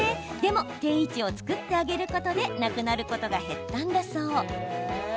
定位置を作ってあげることでなくなることが減ったんだそう。